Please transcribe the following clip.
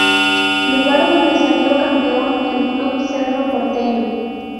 Lugar donde salió Campeón el club Cerro Porteño.